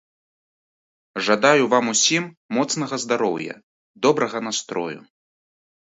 Жадаю вам усім моцнага здароўя, добрага настрою.